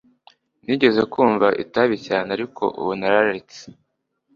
Nigeze kunywa itabi cyane, ariko ubu nararetse.